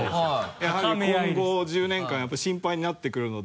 やはり今後１０年間やっぱり心配になってくるので。